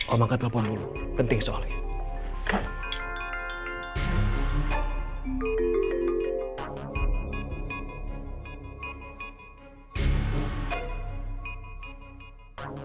om angkat telepon dulu penting soalnya